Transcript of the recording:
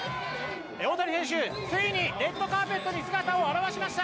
大谷選手、ついにレッドカーペットに姿を現しました。